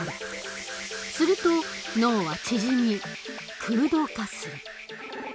すると脳は縮み空洞化する。